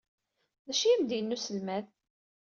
D acu ay am-d-yenna uselmad?